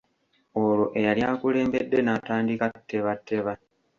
Olwo eyali akulembedde n'atandika tebatteba.